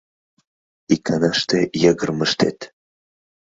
Иканаште йыгырым ыштет.